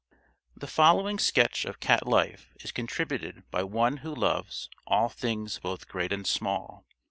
The following sketch of cat life is contributed by one who loves "all things both great and small."